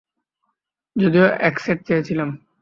যদিও এক সেট চেয়েছিলাম।